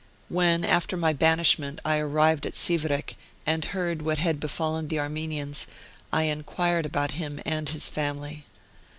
When, after my banish ment, I arrived at SivreV and heard what had be fallen the Armenians, I enquired about him and his family.